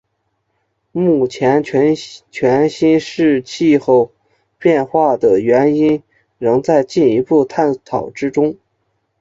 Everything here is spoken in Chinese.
目前全新世气候变化的原因仍在进一步探讨之中。